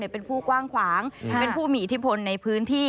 เป็นผู้กว้างขวางเป็นผู้มีอิทธิพลในพื้นที่